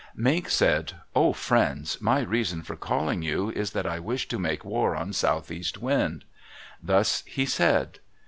Mink said, "Oh, friends, my reason for calling you is that I wish to make war on Southeast Wind." Thus he said.